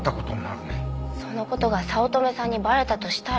その事が早乙女さんにバレたとしたら。